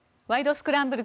スクランブル」